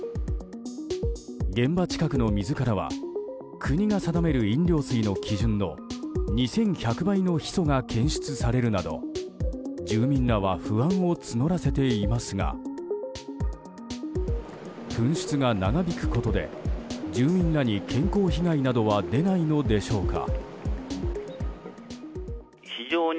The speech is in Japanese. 現場近くの水からは国が定める飲料水の基準の２１００倍のヒ素が検出されるなど住民らは不安を募らせていますが噴出が長引くことで住民らに健康被害などは出ないのでしょうか。